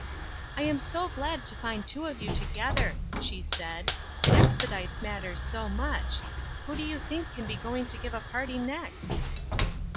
"I am so glad to find two of you together," she said, "it expedites matters so much. Who do you think can be going to give a party next?"